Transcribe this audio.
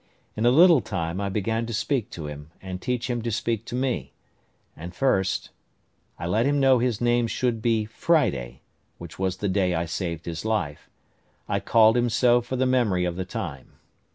In a little time I began to speak to him; and teach him to speak to me; and first, I let him know his name should be Friday, which was the day I saved his life; I called him so for the memory of the time.